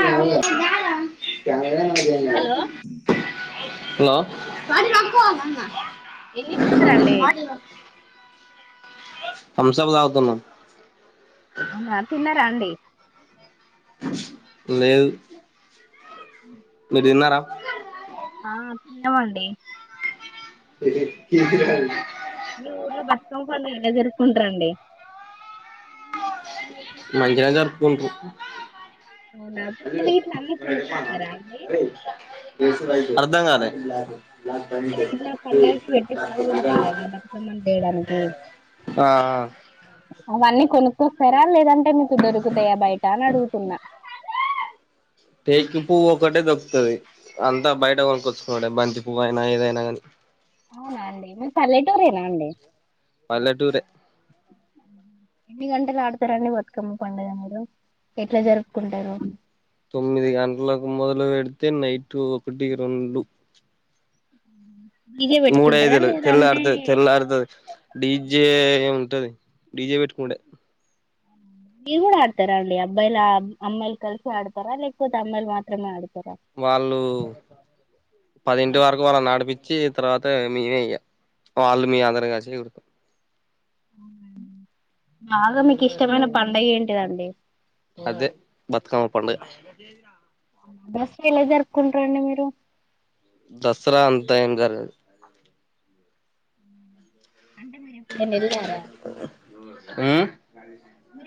Hello hello hello ఎన్నిస్తారండి హంసాబదతాగుతున్నా అవునా తిన్నారా అండి లేదు మీరు తిన్నారా ఆ తిన్నమడి రా మీ ఊర్లో బతుకమకండి ఇళ జరుకుంటారంండి మజర తరకుంట హెచ్ అవునా పువ్వులు ఎమయానా గిట్ల అన్ని చెపల్ కొనుక్కొస్తారా అండి నా రే రిక్స అర్ధాంగాాల పు్లు ఇలా పండగకి పెట్టి పువ్లు ఉంటాయి కదా బర్కమ్మని చేయడానికి ఆ అవన్నీ కొను ఇ ఫరాలు లేదంటే మీకు దొరుకుతాయా బయట అని అడుగుతున్నా టేకి పువ్ ఒకటే దొక్కుతుంది అంతా బయట కొకొచ్చుకున్నాంటే బంతి పువ్ అయినా ఏదైనా కానీ అవునా అండి మీరు పల్లెటూరేనా అండి పల్టూర ఎన్ని గంటలు ఆడతారండి బతుకమ్మ పంండగ మీరు ఎట్లా జరుపుకుంటారు తొమ్మిది గంటలకు మొదలు పెడితే నైట్ ఒకటి రెండు డీజే పెట్టుకుంటారా మూడయిదులు తెల్లార్తది లేదంటే తెల్లార్తది డీ జే ఉంటది డీ జే పెట్టుకుండే మీరు కూడా ఆడతారా అండి అబ్బాయిలు అమ్మాయిలు కలిసి ఆడతారా లేకపోతే అమ్మాయిలు మాత్రమే ఆడు వాళ్ళు పదింటి వరకు వాళ్ళను ఆడిపిచ్చి తర్వాత మేమే ఇగ వాళ్ళు మీ అందరు కలిసి [unintelligible] బాగా మీకు ఇష్టమైన పండగ ఏంటిదండి అదే బతుకమ్మ పండగ దసరా ఎలా జరుపుకుంటారండి మీరు దసరా అంతా ఏం జరగదు ఎప్పుడన్న ఎల్లారా మ్మ్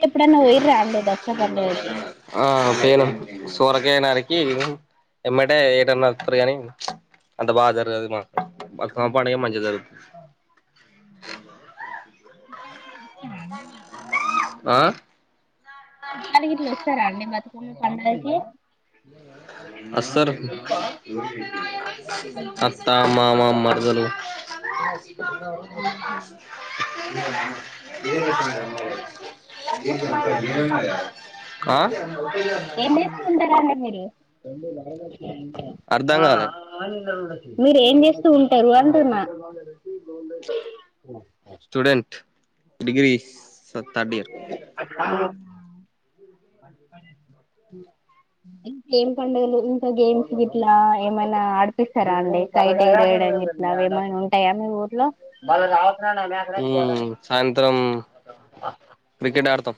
ఎప్పుడైనా పోయిర్రా అండి దసరా పండుగకి ఆ పేరు సొరకాయ నారి ఏ ఏం ఎమట్టే ఏటన్న వత్తరు కానీ అంత బాగా జరగదు అది మా బతుకమ్మ పండగ ఏం మంచిగ జరుగు వస్తారా అండి ఆ గిట్ల వస్తారా అండి మరీ హుమ్ పండగి అస్తరు అత్త మామ మరదలు ఏం చేస్తూ ఉంటారండి మీరు ఆ ఏం చేస్తా ఉంటరండి మీరు [unintelligible] అర్ధం ఆ ఆ కాలే ఆలింట్ల గుడా మీరు ఏం చేస్తూ ఉంటారు అంటున్నా స్టూడెంట్ డిగ్రీస్ థర్డ్ ఇయర్ ఏం పండుగలు ఇంకా గేమ్స్ గిట్లా ఏమైనా ఆడిపిస్తారా అండి, కైట్ ఎగరేయడం గిట్లా ఏమైనా ఉంటాయా మీ ఊర్లో, మ్మ్ నే అడతాం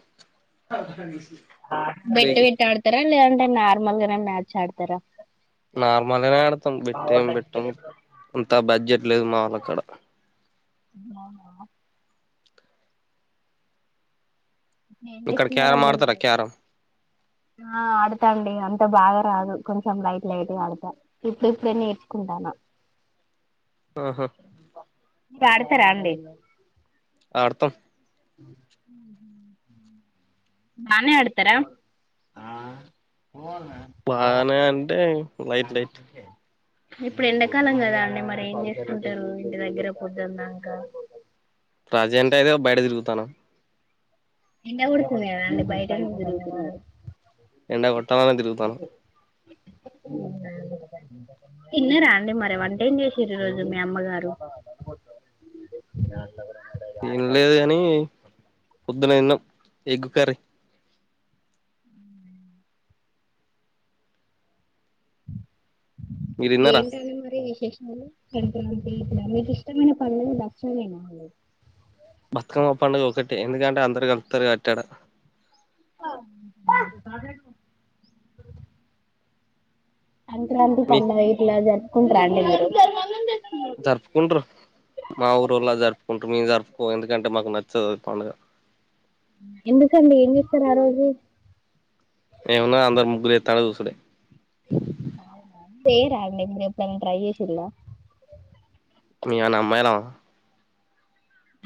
బెట్ట బట్ ఆడతారా లే న నార్మల్నే మ్యాచ్ ఆడతారా. నార్మల్నే ఆడతాం బెట్టం పెట్టాం. అంత బడ్జెట్ లేదు మాములుక్కడ ఆ ఏం ఇక్కడ క్యారం చేస్తున్నారండి ఆడతారా మరి క్యారం ఆ ఆడతా అండి అంత బాగా రాదు. కొంచెం లైట్ లైట్ ఆడతా ఇప్పుడు ఇప్పుడె నేర్చుకుంటాను. ఆహా పాడతారా అండి. ఆడత [inaudible] బానే అడుతరా ఆ బానే అంటే లైట్ లైట్ ఇప్పుడు ఎండాకాలం కదా అండి. మరి ఏం చేసుకుంటారు. ఇంటి దగ్గర పొద్దున్నాంక రాజే అంటే అదో బయట తిరుగుతాను. ఎన్న ఉడుకుంది అంట బైట ఎండ కొట్టాలనే తిరుగుతాను తిన్న రాండి మరి వంటే ఏం చేస రోజు మీ అమ్మగారు. తినలేదు కాని పొద్దున తిన్నా. ఎగ్ కర్రీ మీరు [inaudible] తిన్నారా ఏంటండి మరి విశేషా అ కద మీకు ఇష్టమైన పనుల నష్టమనా అ బతుకమ్మ పండుగ ఒకటే ఎందుకంటే అందరు కలుపుతారు కబట్టి అడ. [unintelligible] ఇట్లాంటి మీ పండగ ఇట్ల ఇప్పుడంటున్నారు [unintelligible] జరుపుకుంటారు మాఊరో లాగ ఇంక మేము జరుపుకోము. ఎందుకంటే మాకు నచ్చదు ఆ పండగ. ఎందుకండి ఏం చేస్తారు, ఆ రోజు. తల దూసుడె తేడా అండి మీకు ఎప్పుడైనా ట్రై చేసారా మీ అన్న అమ్మాయిలా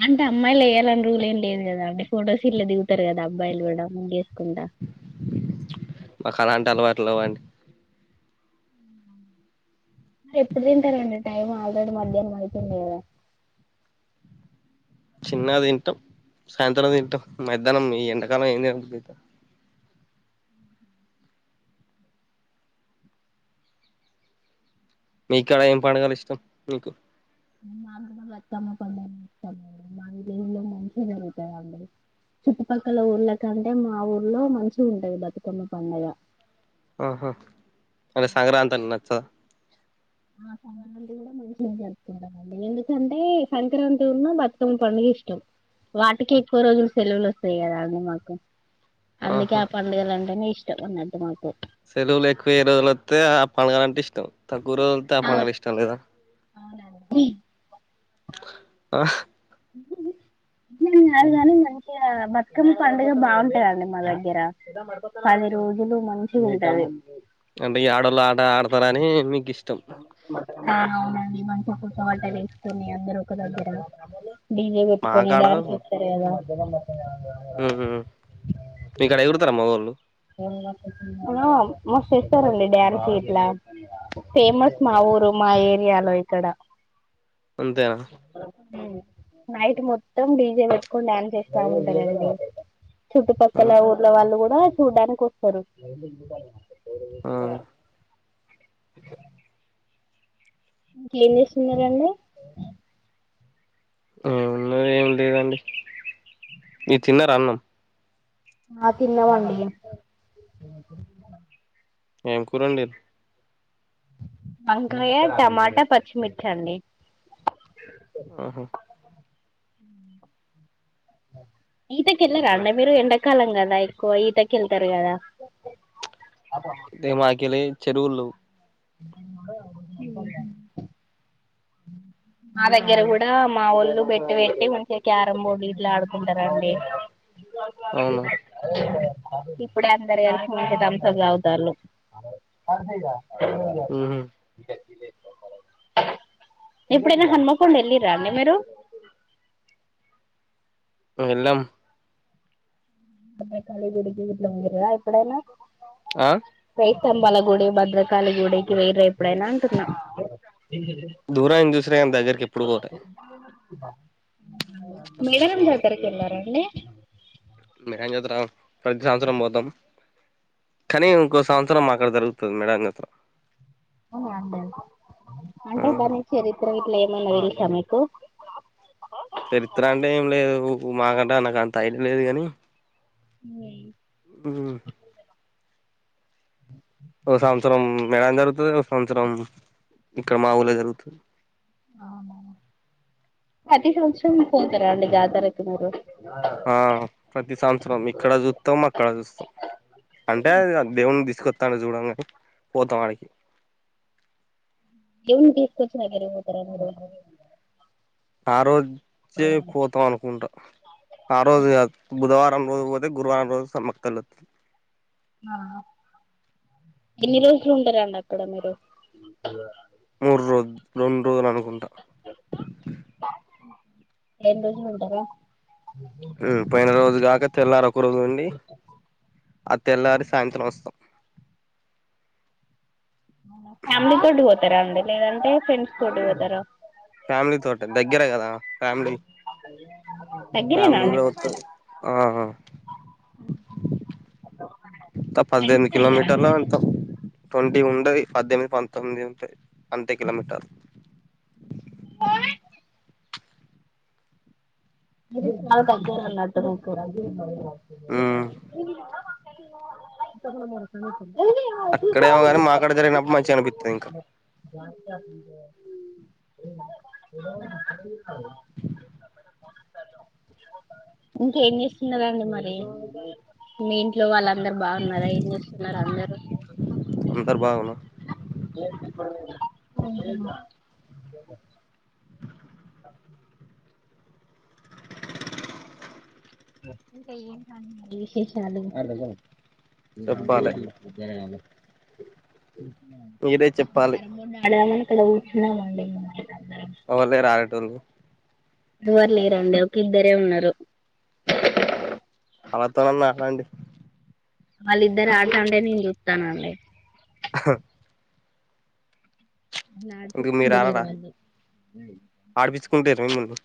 అంటే అమ్మాయిలు వేయాలని రూలు ఏం లేదు కదా అండి. ఫోటో షూట్లో దిగుతారు కదా అబ్బాయిలు కూడా. ముగ్గేసుకుంటా మకల అంటే నవ్వండి మరి ఎప్పుడు తింటారండి. టైం ఆల్రెడీ మధ్యాహ్నం అయితుంది కద. చిన్న తింటం సాయంత్రం తింటాం మధ్యాహ్నం ఈ ఎండకాలం ఏం తినబుద్ అయితది మీకడ ఏం పండుగలు ఇష్టం మీకు మాకు బతుకమ్మ పండగంటే ఇష్టం మా విలేజ్ మంచిగా జరుగుతదండి చుట్టుపక్కల ఊళ్ళకంటే మా ఊళ్లో మంచిగా ఉంటది బతుకమ్మ పండగ ఆహా అంటే సంక్రాంతి అంటె నచ్చదా ఆ సంక్రాంతి కూడా మంచి జరుపుకుంటమండి ఎందుకంటే సంక్రాంతి ఉన్న బతుకమ్మ పండుగ ఇష్టం వాటికి ఎక్కువ రోజులు సెలవులు వస్తాయ్ కదా అండి మాకు అందుకే ఆహా ఆ పండుగలు అంటేనే ఇష్ ఇష్ట ఉన్నటు మాకు సెలవలు ఎక్కువ ఏ రోజులు వత్తే ఆ పండగలంటే ఇష్ తక్కువ్ రోజుల్ వత్తే ఆ అవును పండగలు ఇష్టం లేదా అవునండి హ అట్ల అని కాదు గాని మంచిగా బతుకమ్మ పండుగ బాగుంటదండి మా దగ్గర పది రోజులు మంచిగా ఉంటది పనాని మిక్ ఆ అవునండి మా ఒక తోట వేస్కొని అందరు ఒక దగ్గర డీజే పెట్టుకొని మాకాడ డాన్స్ చేస్తరు కదా ఎగ ఉహు మీకాడ ఎగురుతారా మగోళ్ళు ఆ మ చేస్తారండి డ్యాన్స్ గిట్ల ఫేమస్ మా ఊరు మా ఏరియాలో ఇక్కడ అంతేనా నైట్ మొత్తం డీజే పెట్టుకొని డ్యాన్స్ చేస్తా ఉంటారండి చుట్టుపక్కల ఆహా ఊర్ల వాళ్ళు గుడా చూడ్డానికి వస్తరు ఆ అ ఇంకేం చేస్తున్నారండి ఏమున్నది ఏమ్ లేదండి మీర్ తిన్నర అన్నం ఆ తిన్న మండీ ఏం కూరండి వంకాయ టమాట పచ్చిమిర్చి అండి ఆహా ఈతకి ఎళ్ళరా అండి మీరు ఎండాకాలం కదా ఎక్కువ ఈతకి ఎళ్తారు కదా టె మాకెలీ చెరువుళ్ళు ఎన్నోడను మా దగ్గర కూడా మా ఒళ్ళు బెడ్డు పెట్టి మంచిగా క్యారం బోర్డు గిట్లా ఆడుకుంటారండి అదే అవునా ఇప్పుడే అందరు వెలి మంచిగా థాంప్సప్ తగుతల్లు అంతే ఉహు ఎప్పుడైనా హన్మకొండ వెళ్ళిరండి మీరు వెళ్ళాం భద్రకాళి గుడికి వెల్లరా ఎప్పుడేనా ఆహ్ తంబాలగూడి, భద్రకాళి గుడికి వేరేపు ఎప్పుడైన్నా అంటున్న దూరాన్ని చూసినా కానీ దగ్గరికి ఎప్పుడు పోలే మేడారం జాతరకి ఎల్లరండి మేడార జాతరం ప్రతి సంవత్సరం పోతాం కానీ ఇంకో సంవత్సరం మా కడ జరుగుతది మేడరాం జాతర అవున అండి అంటే ఆహా బనిచ్చరిత్ర గిట్ల మల్ల తెలుసా నీకు చరిత్ర అంటే ఏం లేదు మాకంటే నాకు అంత ఐడియా లేదు గాని అవున ఉహ్మ్ ఆ ఒక సంవత్సరం మేడారం జరుగుతది ఒక సంవత్సరం ఇక్కడ మాఊలే జరుగుతది అవునా ప్రతి సంవత్సరం పోతారా అండి జాతరకి మీరు ఆహ్ ప్రతి సంవత్సరం ఇక్కడ చూత్తం అక్కడ చూస్తాం అంటే దేవుని తీసుకొస్ తడ చూడం గనీ పోతంవాడకి దేవున్ని తీసుకుచ్చినగర పోతార మీరు ఆ రోజ్ చే పోతాం అనుకుంటా ఆ రోజు గద్ బుధవారం బుధవారం రోజు పోతే గురువారం రోజు సమక్క తల్లి ఒత్తది ఆహ్ ఎన్ని రోజులు ఉంటారంండి అక్కడ మీరు మూడ్రో రెండ్ రోజులు అనుక్ కుంట రెండ్ రోజులు ఉంటారా పోయిన రోజు కాక తెల్లారి ఒక రోజు ఉండి ఆ తెల్లరి సాయంత్రం వస్తాం ఫ్యామిలీ తోటి పో తారా అండి లేదంటే ఫ్రెండ్స్ తోటి పోతారా ఫ్యామిలీ తోటె దగ్గర కదా ఫ్యామిలీ దగ్గరేనా ఫ్యామిలీ అండి కూడా మీకు వస్తది ఆహ్ ఫ్రెండ్స్ పద్దెనిమిది తో వెళ్ళారా కిలోమీటర్లో మళ్ళీ వెంతాం ట్వంటీ ఉండది పద్దెనిమిది పంతొమ్మిది అంతే కిలోమీటర్ కోన [unintelligible] అకపో [unintelligible] లు మరసంగ [unintelligible] అక్కడేమో కాని మకాడ జరిగినప్పుడు మంచిగా అనిపిస్తుంది ఇంకా జ [inaudible] ఇంకేం చేస్తున్నండి మరి మీ ఇంట్లో వాళ్ళ అందరు బాగున్నారా ఏం చేస్తున్నారు అందరుూ అందరు బాగున్నారు [inaudible] విశేశాలు అ చెప్పాలే బర అద [unintelligible] [unintelligible] మీరే చెప్పాలి ఎక్కడ కూర్చున్నారడి ఎవరు లేరు ఆడే తోలు ఎవ ర లే రండి ఒక ఇద్దరే ఉన్నారు అలతోనన్నా అలాండి [unintelligible] వాళ్ళిద్దరు ఆడుతాంటే నేను చూస్తానుండి ఆహ్ హ్ ఎందుకు మీరు ఆడరా డుకిందలిరువా [unintelligible] ఆడిపిచ్చుకుంటారు మిమ్మల్ని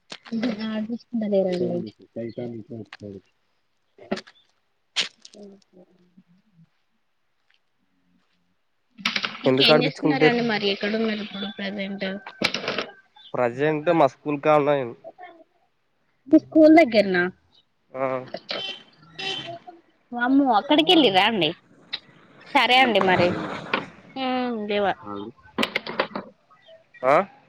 [unintelligible] ఎందుకు ఇంకేం చేస్తున్నారా ఆడిపిచ్చుకుంటారు అండి మరి ఎక్కడున్నారు ఇప్పుడు ప్రైజ్ నాట్ ప్రజెంట్ మా స్కూల్ కడ ఉన్నా మీ స్కూల్ దగ్గర్నా ఆహ్ వామ్మో అక్కడికి వెళ్ళిరండి సరే అండి మరి లేవా నువ్వు. అగు ఆ